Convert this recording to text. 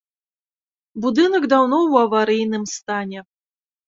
Будынак даўно ў аварыйным стане.